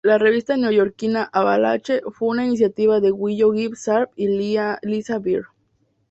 La revista neoyorquina Avalanche fue una iniciativa de Willoughby Sharp y Liza Bear.